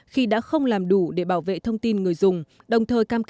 khi đã không làm đủ để bảo vệ thông tin người dùng